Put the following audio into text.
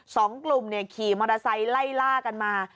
สองกลุ่มเนี่ยขี่มอเตอร์ไซค์ไล่ล่ากันมา